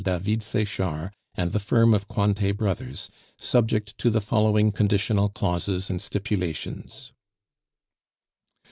David Sechard and the firm of Cointet Brothers, subject to the following conditional clauses and stipulations."